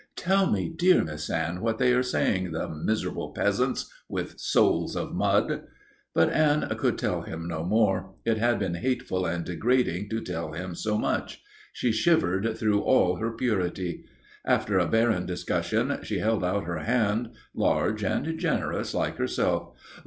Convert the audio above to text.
Tell me, dear Miss Anne, what they are saying, the miserable peasants with souls of mud." But Anne could tell him no more. It had been hateful and degrading to tell him so much. She shivered through all her purity. After a barren discussion she held out her hand, large and generous like herself.